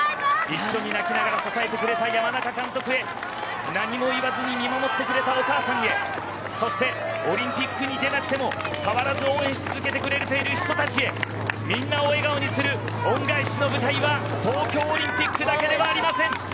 一緒に泣きながら支えてくれた山中監督へ何も言わずに見守ってくれたお母さんへそして、オリンピックに出なくても変わらず応援し続けてくれている人たちへみんなを笑顔にする恩返しの舞台は東京オリンピックだけではありません。